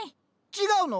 違うの？